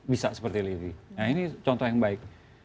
bisa seperti livi nah ini contoh yang baik